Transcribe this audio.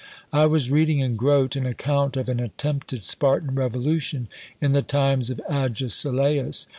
I was reading in Grote an account of an attempted Spartan revolution in the times of Agesilaus.